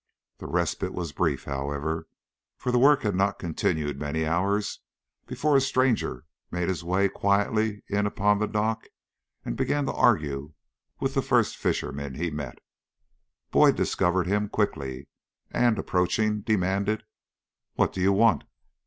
The respite was brief, however, for the work had not continued many hours before a stranger made his way quietly in upon the dock and began to argue with the first fisherman he met. Boyd discovered him quickly, and, approaching him, demanded: "What do you want?"